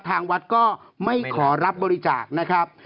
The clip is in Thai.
ทางวัดก็ไม่ขอรับบริจาคนะครับ